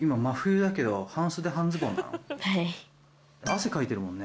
汗かいてるもんね。